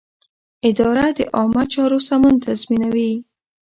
اداره د عامه چارو سمون تضمینوي.